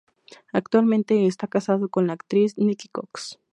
Actualmente está casado con la actriz Nikki Cox.